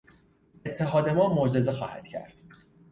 اتحاد ما معجزه خواهد کرد.